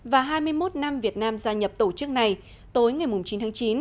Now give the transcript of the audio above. và hai mươi một năm việt nam gia nhập tổ chức này tối ngày chín tháng chín